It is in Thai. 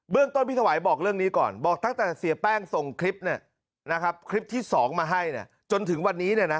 เบื้องต้นพี่สวายบอกเรื่องนี้ก่อนบอกตั้งแต่เสียแป้งส่งคลิปที่สองมาให้